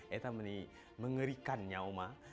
hehehe itu mengerikan ya om